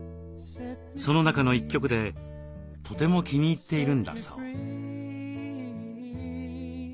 その中の一曲でとても気に入っているんだそう。